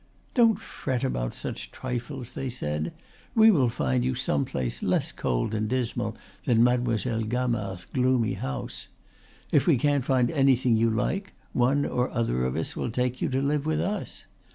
"Don't fret about such trifles," they said. "We will find you some place less cold and dismal than Mademoiselle Gamard's gloomy house. If we can't find anything you like, one or other of us will take you to live with us.